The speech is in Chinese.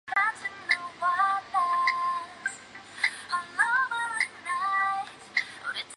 为了乘坐机甲需要双手武器启动钥匙天魔族发现巨神兵后开始研究新形态的武器。